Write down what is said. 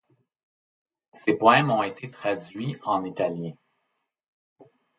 Ses poèmes ont été traduits en italien.